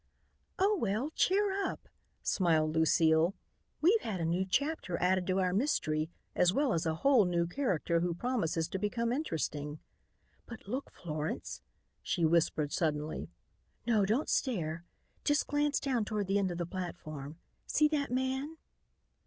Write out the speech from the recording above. "Oh, well, cheer up," smiled Lucile. "We've had a new chapter added to our mystery, as well as a whole new character who promises to become interesting. But look, Florence," she whispered suddenly. "No, don't stare, just glance down toward the end of the platform. See that man?"